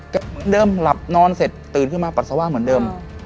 ก็เดิมหลับนอนเสร็จตื่นขึ้นมาปัสสาวะเหมือนเดิม